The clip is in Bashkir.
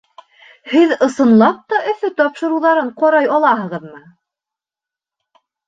Һеҙ, ысынлап та, Өфө тапшырыуҙарын ҡарай алаһығыҙмы?